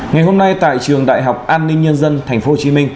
ngày hôm nay tại trường đại học an ninh nhân dân tp hcm